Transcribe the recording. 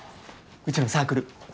うちのサークル。